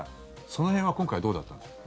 その辺は今回どうだったんでしょう。